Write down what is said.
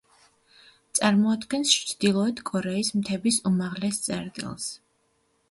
წარმოადგენს ჩრდილოეთ კორეის მთების უმაღლეს წერტილს.